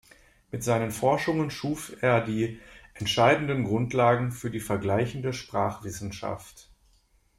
Mit seinen Forschungen schuf er die entscheidenden Grundlagen für die vergleichende Sprachwissenschaft.